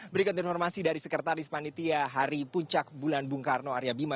berikut informasi dari sekretaris panitia hari puncak bulan bung karno arya bima